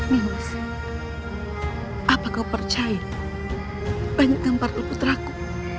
nius apa kau percaya banyak ngompar leputraku